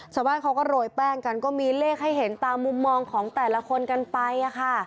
ชาวบ้านเขาก็โรยแป้งกันก็มีเลขให้เห็นตามมุมมองของแต่ละคนกันไปค่ะ